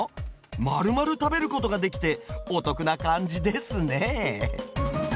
まるまる食べることができてお得な感じですね